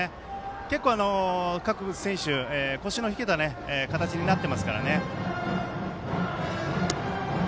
結構、各選手、腰の引けた形になっていますからね。